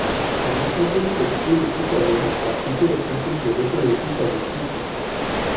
Une entreprise textile italienne a appliqué le principe de l'effet lotus à des tissus.